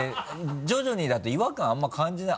徐々にだと違和感あんまり感じない。